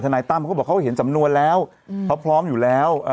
ลาราชนายตั้มก็บอกว่าเขาเห็นสำนวนแล้วเขาพร้อมอยู่แล้ว